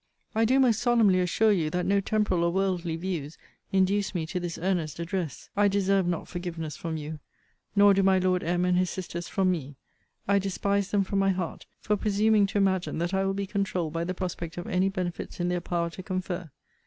I do most solemnly assure you that no temporal or worldly views induce me to this earnest address. I deserve not forgiveness from you. Nor do my Lord M. and his sisters from me. I despise them from my heart for presuming to imagine that I will be controuled by the prospect of any benefits in their power to confer.